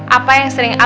apa yang sering abah sih